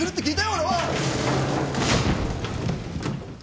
俺は。